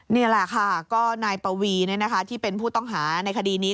นี่แหละค่ะก็นายปวีที่เป็นผู้ต้องหาในคดีนี้